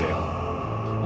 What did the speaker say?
dia akan menang